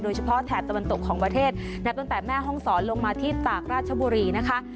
แถบตะวันตกของประเทศนับตั้งแต่แม่ห้องศรลงมาที่ตากราชบุรีนะคะ